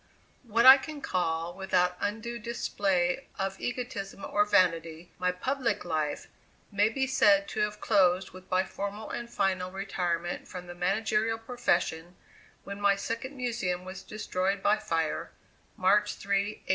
What I can call, without undue display of egotism or vanity, my "public life," may be said to have closed with my formal and final retirement from the managerial profession, when my second Museum was destroyed by fire, March 3, 1868.